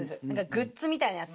グッズみたいなやつ。